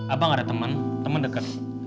abang ada temen temen deket